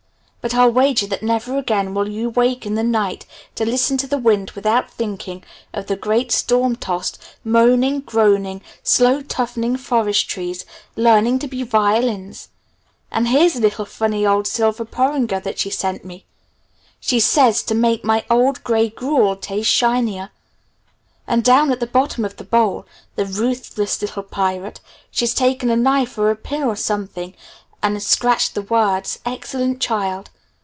But I'll wager that never again will you wake in the night to listen to the wind without thinking of the great storm tossed, moaning, groaning, slow toughening forest trees learning to be violins!... And here's a funny little old silver porringer that she gave me, she says, to make my 'old gray gruel taste shinier.' And down at the bottom of the bowl the ruthless little pirate she's taken a knife or a pin or something and scratched the words, 'Excellent Child!'